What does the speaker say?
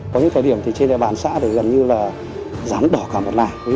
có những thời điểm thì trên đại bản xã thì gần như là rán đỏ cả một nài